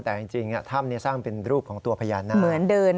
แต่จริงถ้ำนี้สร้างเป็นรูปของตัวพญานาค